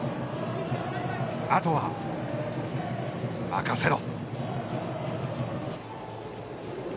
あとは、任せろ。